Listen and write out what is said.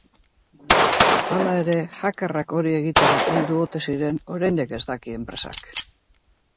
Hala ere, hackerrak hori egitera heldu ote ziren oraindik ez daki enpresak.